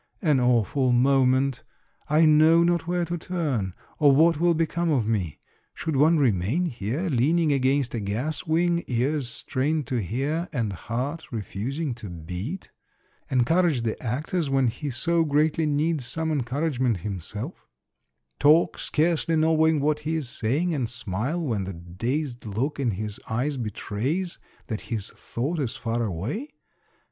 An awful moment ! I know not where to turn, or what will become of me. Should one remain there, leaning against a gas wing, ears strained to hear, and heart refusing to beat? — encourage the actors when he so greatly needs some encourage ment himself? — talk, scarcely knowing what he is saying, and smile when the dazed look in his eyes betrays that his thought is far away?